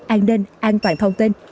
an ninh an toàn thông tin